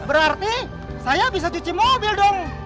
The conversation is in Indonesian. berarti saya bisa cuci mobil dong